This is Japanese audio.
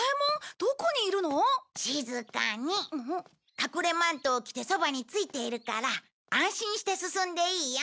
かくれマントを着てそばについているから安心して進んでいいよ。